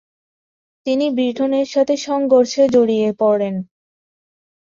তিনি ব্রিটেনের সাথে সংঘর্ষে জড়িয়ে পড়েন।